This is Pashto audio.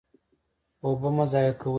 اوبه مه ضایع کوئ